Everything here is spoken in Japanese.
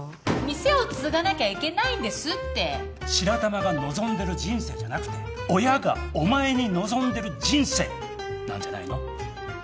店を継がなきゃいけないんですって白玉が望んでる人生じゃなくて親がお前に望んでる人生なんじゃないの？